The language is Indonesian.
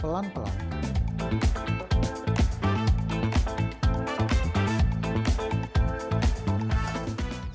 setelah itu baru kita aduk aduk lagi